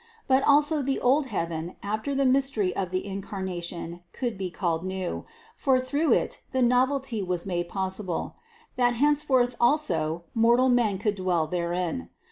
But also the old heaven after the mystery of the Incarnation could be called new, for through it the nov elty was made possible, that henceforth also mortal men could dwell therein.